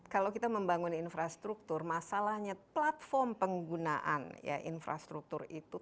kalau kita membangun infrastruktur masalahnya platform penggunaan infrastruktur itu